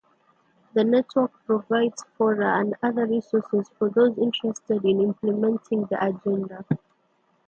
The network provides fora and other resources for those interested in implementing the agenda.